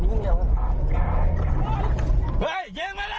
เยี่ยงมาเลยเยี่ยง